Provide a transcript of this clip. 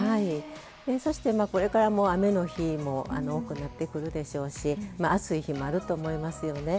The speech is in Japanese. そしてこれからも雨の日も多くなってくるでしょうし暑い日もあると思いますよね。